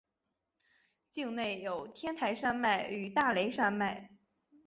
境内有天台山脉与大雷山脉。